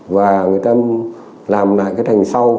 và người ta làm lại cái thành sau